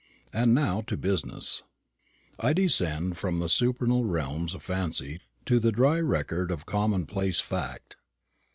And now to business. I descend from the supernal realms of fancy to the dry record of commonplace fact.